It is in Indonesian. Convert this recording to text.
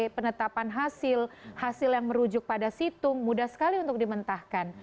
penetapan hasil hasil yang merujuk pada situng mudah sekali untuk dimentahkan